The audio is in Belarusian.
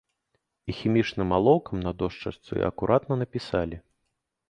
І хімічным алоўкам на дошчачцы акуратна напісалі.